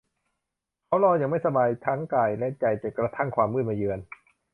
เขารออย่างไม่สบายทั้งกายและใจจนกระทั่งความมืดมาเยือน